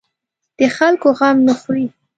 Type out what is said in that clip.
د خلکو غم نه خوري.